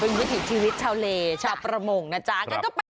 อ๋อเป็นวิธีชีวิตชาวเลชาวประมงนะจ๊ะครับ